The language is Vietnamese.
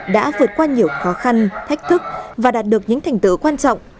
đã vượt qua nhiều khó khăn thách thức và đạt được những thành tựu quan trọng